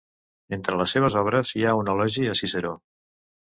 Entre les seves obres hi ha un elogi a Ciceró.